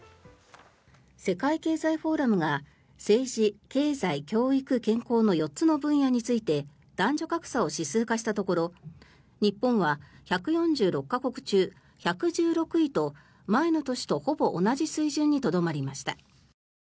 世界経済フォーラムが政治、経済、教育、健康の４つの分野について男女格差を指数化したところ日本は１４６か国中１１６位と前の年とほぼ同じ水準にとどまりました。